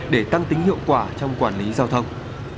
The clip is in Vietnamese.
để tăng tính hiệu quả trong quản lý giao thông